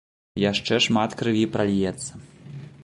Яшчэ шмат крыві пральецца.